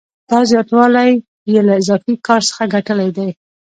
دا زیاتوالی یې له اضافي کار څخه ګټلی دی